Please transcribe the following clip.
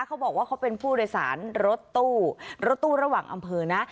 เขาบอกว่าเขาเป็นผู้โดยสารรถตู้รถตู้ระหว่างอำเภอนะ